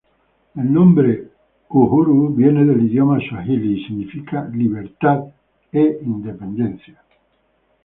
El nombre Uhuru viene del idioma suajili y significa "libertad" y "independencia.